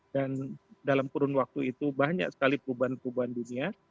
dan dalam kurun waktu itu banyak sekali perubahan perubahan dunia